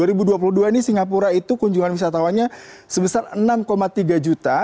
dua ribu dua puluh dua ini singapura itu kunjungan wisatawannya sebesar enam tiga juta